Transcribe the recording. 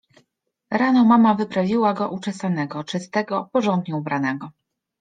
Rano mama wyprawiła go uczesanego, czystego, porządnie ubranego.